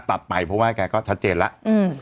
ตัดไปเพราะว่าแกก็ชัดเจนแล้ว